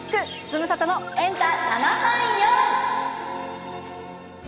ズムサタのエンタ７３４。